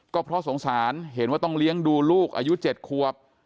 ก็เพราะสงสารเห็นว่าต้องเลี้ยงดูลูกอายุ๗ควบ